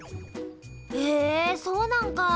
へえそうなんか！